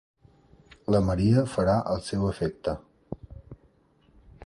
La maria farà el seu efecte.